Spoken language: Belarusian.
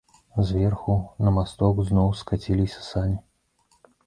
Зверху на масток зноў скаціліся сані.